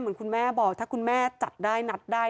เหมือนคุณแม่บอกถ้าคุณแม่จัดได้นัดได้